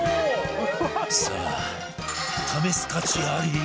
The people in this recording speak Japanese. さあ試す価値アリ？